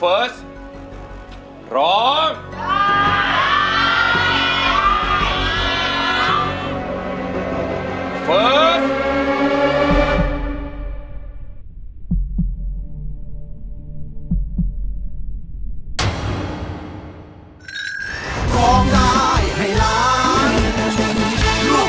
เพลงที่สองมูลค่า๒๐๐๐๐บาท